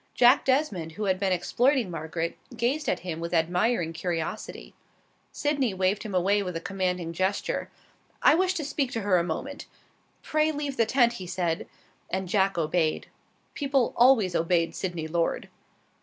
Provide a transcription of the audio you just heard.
Jack Desmond, who had been exploiting Margaret, gazed at him with admiring curiosity. Sydney waved him away with a commanding gesture. "I wish to speak to her a moment. Pray leave the tent," he said, and Jack obeyed. People always obeyed Sydney Lord.